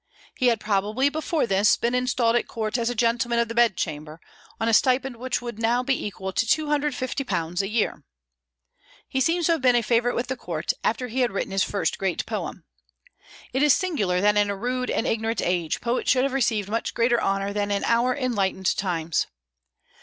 He had probably before this been installed at court as a gentleman of the bedchamber, on a stipend which would now be equal to £250 a year. He seems to have been a favorite with the court, after he had written his first great poem. It is singular that in a rude and ignorant age poets should have received much greater honor than in our enlightened times.